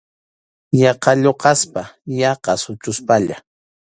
Yaqa lluqaspa, yaqa suchuspalla.